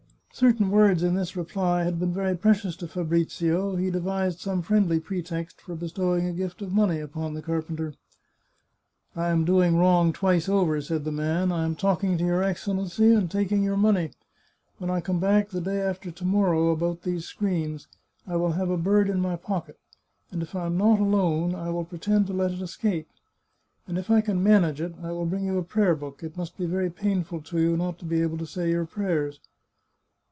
Certain words in this reply had been very precious to Fabrizio ; he devised some friendly pretext for bestowing a gift of money upon the carpenter. " I am doing wrong twice over," said the man. " I am talking to your Excellency, and taking your money. When I come back the day after to morrow, about these screens, I will have a bird in my pocket, and if I am not alone, I will pretend to let it escape. And, if I can manage it, I will bring you a prayer book. It must be very painful to you not to be able to say your prayers."